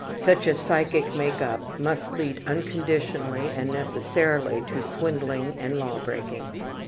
Such a psychic make up must lead unconditionally and necessarily to swindling and law breaking.